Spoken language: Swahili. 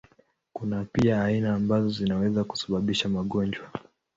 Kuna pia aina ambazo zinaweza kusababisha magonjwa.